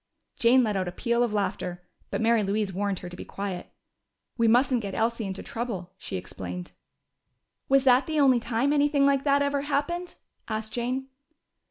Jane let out a peal of laughter, but Mary Louise warned her to be quiet. "We mustn't get Elsie into trouble," she explained. "Was that the only time anything like that ever happened?" asked Jane.